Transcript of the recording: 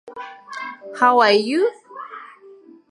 I just kept whaling away with it.